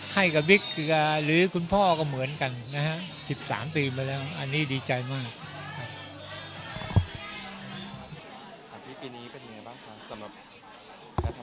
ให้กับวิทย์หรือคุณพ่อก็เหมือนกันนะฮะ๑๓ปีมาแล้วอันนี้ดีใจมาก